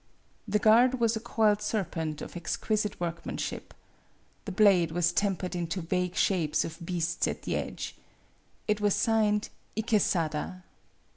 The guard was a coiled ser pent of exquisite workmanship. The blade was tempered into vague shapes of beasts at the edge. It was signed, " Ikesada."